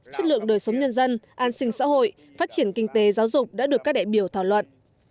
chất lượng đời sống nhân dân an sinh xã hội phát triển kinh tế giáo dục đã được các đại biểu thảo luận